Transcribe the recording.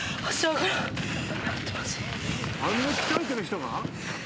あんな鍛えてる人が！？